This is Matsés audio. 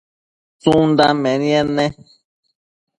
tsundan menied ne?